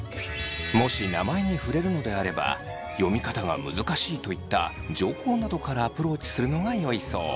もし名前に触れるのであれば読み方が難しいといった情報などからアプローチするのがよいそう。